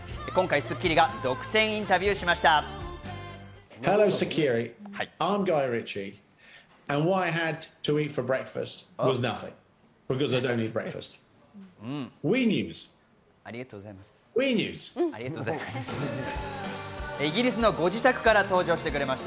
今回『スッキリ』が独占インタビューしました。